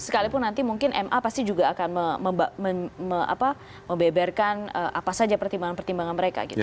sekalipun nanti mungkin ma pasti juga akan membeberkan apa saja pertimbangan pertimbangan mereka gitu